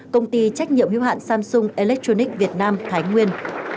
công ty trách nhiệm hữu hạn samsung electronic việt nam thái nguyên